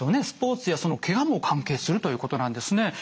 スポーツやけがも関係するということなんですね。